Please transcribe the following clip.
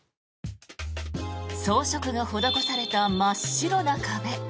装飾が施された真っ白な壁。